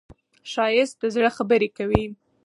ښایست د زړه خبرې کوي